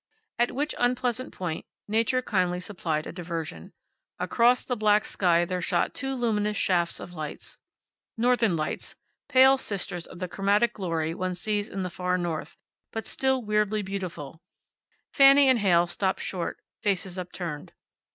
At which unpleasant point Nature kindly supplied a diversion. Across the black sky there shot two luminous shafts of lights. Northern lights, pale sisters of the chromatic glory one sees in the far north, but still weirdly beautiful. Fanny and Heyl stopped short, faces upturned.